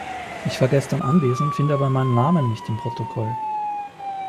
Ich war gestern anwesend, finde aber meinen Namen nicht im Protokoll.